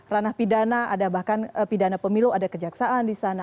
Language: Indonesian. ranah pidana ada bahkan pidana pemilu ada kejaksaan di sana